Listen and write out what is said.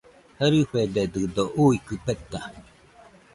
Jarɨfededɨdo uikɨ peta